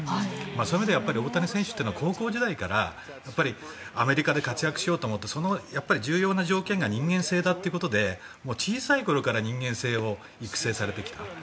そういう意味で大谷選手というのは高校時代からアメリカで活躍しようと思ってその重要な条件が人間性だということで小さい頃から人間性を育成されてきた。